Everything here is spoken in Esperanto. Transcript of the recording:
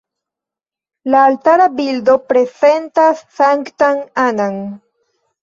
La altara bildo prezentas Sanktan Anna-n.